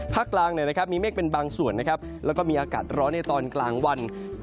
ภาคกลางมีเมฆเป็นบางส่วนและมีอากาศร้อนในตอนกลางวัน